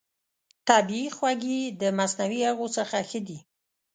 طبیعي خوږې د مصنوعي هغو څخه ښه دي.